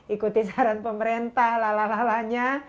ikuti saran pemerintah lalala nya